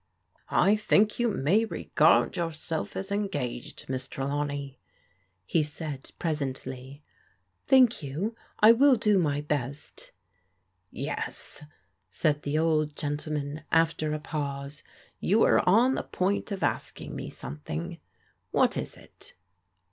" I think you may regard yourself as engaged. Miss Trelawney," he said presently. Thank you, I will do my best." Yes," said the old gentleman, after a pause, *'you are on the point of asking me something. What is it?"